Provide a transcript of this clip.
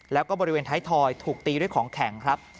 แล้วก็บริเวณท้ายทอยถูกตีด้วยของแข็งครับ